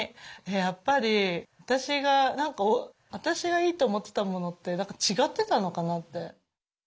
やっぱり私がいいと思ってたものって違ってたのかなって。